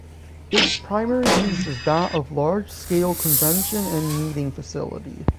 Its primary use is that of large scale convention and meeting facility.